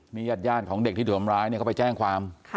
ในยัดย่านของเด็กที่ถูนำร้ายเขาไปแจ้งความ